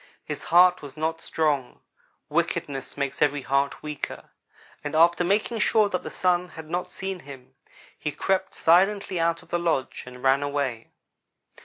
His heart was not strong wickedness makes every heart weaker and after making sure that the Sun had not seen him, he crept silently out of the lodge and ran away.